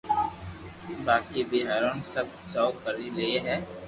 باقي َپ ھارون سب سھو ڪري لي ھي